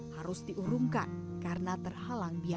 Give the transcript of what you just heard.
harus diurungkan karena terhalang biaya